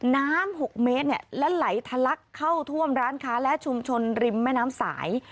น้ำ๖เมตรและไหลทะลักเข้าท่วมร้านค้าและชุมชนริมแม่น้ำสาย